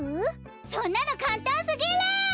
そんなのかんたんすぎる！